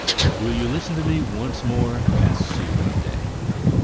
"Will you listen to me once more?" asked she, one day.